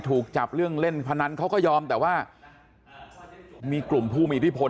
ถูกจับเรื่องเล่นพนันเขาก็ยอมแต่ว่ามีกลุ่มผู้มีอิทธิพล